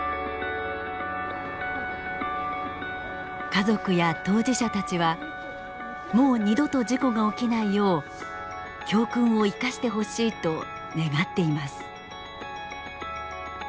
家族や当事者たちはもう二度と事故が起きないよう教訓を生かしてほしいと願っています。